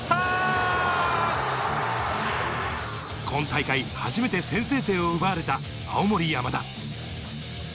今大会、初めて先制点を奪われた青森山田。